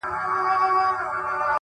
• گراني انكار ـ